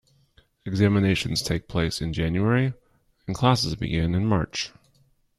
Examinations take place in January and classes begin in March.